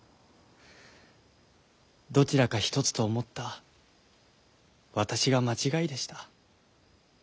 どちらか一つと思った私が間違いでした。